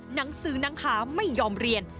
หนังสือหนังหาไม่ยอมเรียน